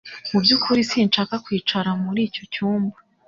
Mu byukuri sinshaka kwicara muri icyo cyumba